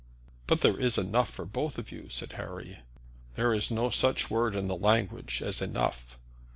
"But there is enough for both of you," said Harry. "There is no such word in the language as enough.